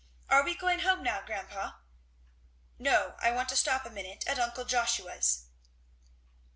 Are we going home now, grandpa?" "No, I want to stop a minute at uncle Joshua's."